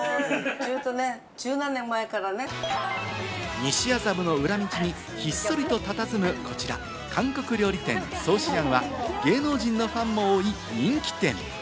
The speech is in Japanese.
西麻布の裏道にひっそりと佇むこちら、韓国料理店・草思庵は芸能人のファンも多い人気店。